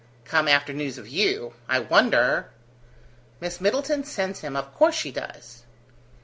"Come after news of you." "I wonder!" "Miss Middleton sends him; of course she does."